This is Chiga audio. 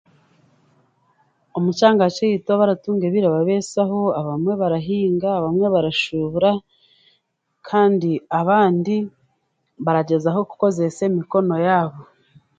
Omu kyanga kyeitu abaratunga ebirababesaho abamwe barahinga, abamwe barashubura kandi abandi baragyezaho kukozesa emikono yaabo.